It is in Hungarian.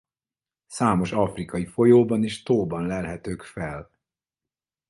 Számos afrikai folyóban és tóban lelhetők fel.